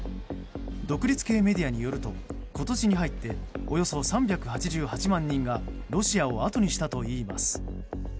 独立系メディアによると今年に入っておよそ３８８万人がロシアをあとにしたといいます。